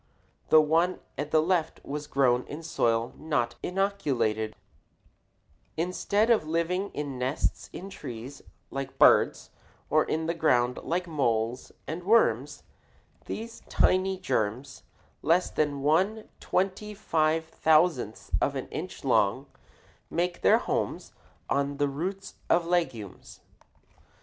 The one at the left was grown in soil not inoculated] Instead of living in nests in trees like birds or in the ground like moles and worms, these tiny germs, less than one twenty five thousandth of an inch long, make their homes on the roots of legumes.